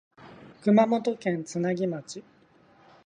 熊本県津奈木町